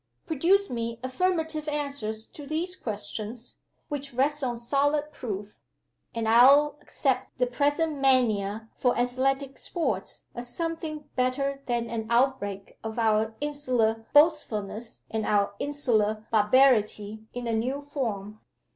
Produce me affirmative answers to these questions, which rest on solid proof, and I'll accept the present mania for athletic sports as something better than an outbreak of our insular boastfulness and our insular barbarity in a new form."